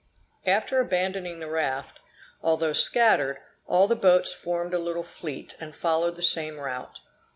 After abandoning the raft, although scattered, all the boats formed a little fleet, and followed the same route.